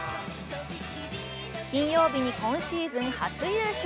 金曜日に今シーズン初優勝。